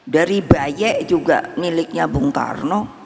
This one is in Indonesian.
dari baye juga miliknya bung karno